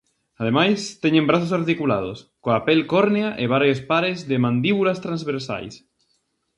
Ademais, teñen brazos articulados, coa pel córnea e varios pares de mandíbulas transversais.